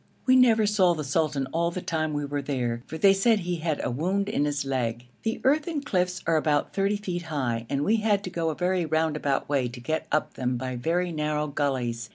We never saw the sultan all the time we were there, for they said he had a wound in his leg. The earthen cliffs are about 30 feet high, and we had to go a very roundabout way to get up them by very narrow gullies.